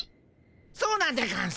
そうなんでゴンス。